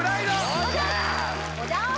おじゃす！